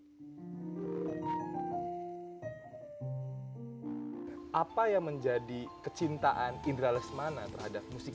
saya pikirin jadinya ngalir aja ngalir di darah